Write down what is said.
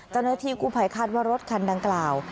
ตอนนี้ที่กู้ภัยคาดว่ารถคันดังกล่าว